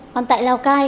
còn tại lào cai